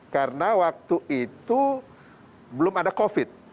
karena waktu itu belum ada covid